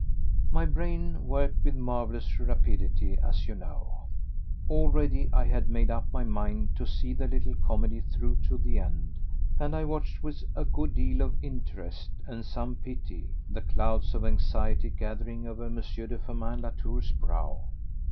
My brain works with marvellous rapidity, as you know. Already I had made up my mind to see the little comedy through to the end, and I watched with a good deal of interest and some pity the clouds of anxiety gathering over M. de Firmin Latour's brow.